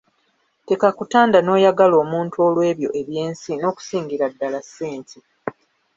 Tekakutanda n'oyagala omuntu olw'ebyo eby'ensi n'okusingira ddala ssente.